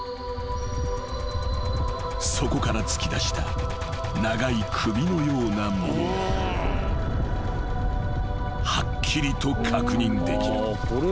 ［そこから突き出した長い首のようなものがはっきりと確認できる］